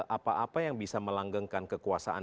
apa apa yang bisa melanggengkan kekuasaan